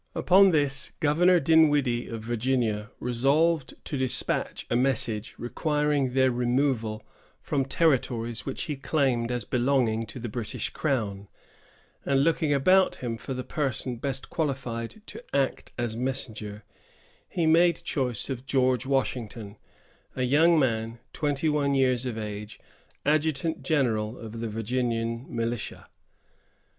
Upon this, Governor Dinwiddie, of Virginia, resolved to despatch a message requiring their removal from territories which he claimed as belonging to the British crown; and looking about him for the person best qualified to act as messenger, he made choice of George Washington, a young man twenty one years of age, adjutant general of the Virginian militia.